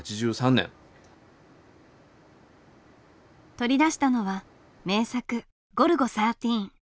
取り出したのは名作「ゴルゴ１３」。